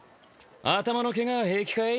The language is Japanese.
頭のケガは平気かい？